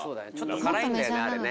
・辛いんだよねあれね